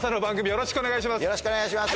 よろしくお願いします